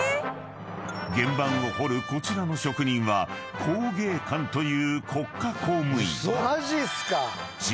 ［原版を彫るこちらの職人は工芸官という国家公務員］